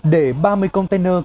để ba mươi container